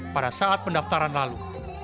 pada saat pendaftaran lalu